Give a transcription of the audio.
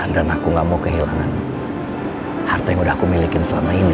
dan aku gak mau kehilangan harta yang udah aku milikin selama ini